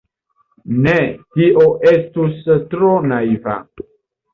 Ne, tio estus tro naiva.